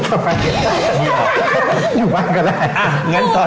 อยู่บ้างก็ได้